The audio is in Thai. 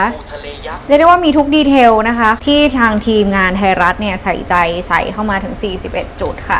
เรียกได้ว่ามีทุกดีเทลนะคะที่ทางทีมงานไทยรัฐเนี่ยใส่ใจใส่เข้ามาถึง๔๑จุดค่ะ